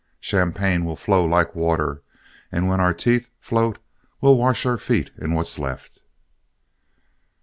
Champagne will flow like water, and when our teeth float, we'll wash our feet in what's left."